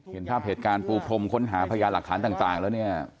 เห็นภาพเหตุการณ์ปูพรมค้นหาพยานหลักฐานต่างแล้วเนี่ย